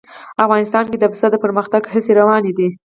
افغانستان کې د پسه د پرمختګ هڅې روانې دي.